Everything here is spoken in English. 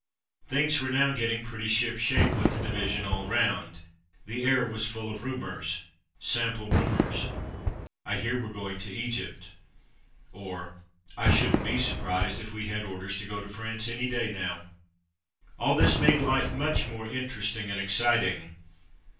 Things were now getting pretty ship shape with the division all round. The air was full of rumours. Sample rumours: ''I hear we're going to Egypt,'' or, ''I shouldn't be surprised if we had orders to go to France any day now." 64 > From Mud to Mufti All this made life much more interesting and exciting.